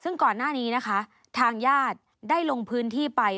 ซึ่งก่อนหน้านี้นะคะทางญาติได้ลงพื้นที่ไป